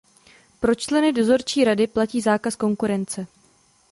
Pro členy dozorčí rady platí zákaz konkurence.